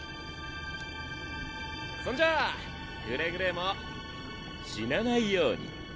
そんじゃあくれぐれも死なないように。